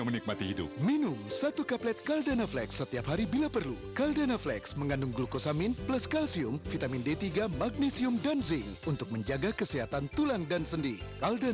meminimalisir pelanggaran batas kecepatan yang bisa berakibat fatal